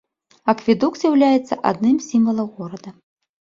Акведук з'яўляецца адным з сімвалаў горада.